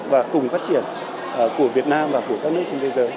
và cùng phát triển của việt nam và của các nước trên thế giới